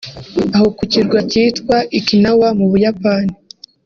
Aho ku kirwa cyitwa “Ikinawa”mu Buyapani